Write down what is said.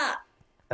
え！